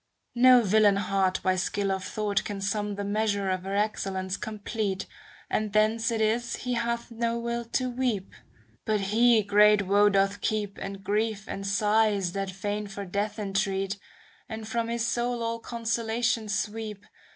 No villain heart by skill of thought can sum The measure of her excellence complete. And thence it is he hath no will to weep; But he great woe doth keep, And grief and sighs that fain for death entreat, And from his soul all consolation sweep.